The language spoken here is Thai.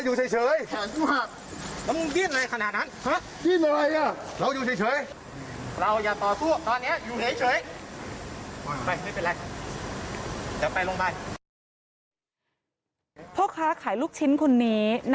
อยู่เหนื่อยอยู่เหนื่อยอยู่เหนื่อย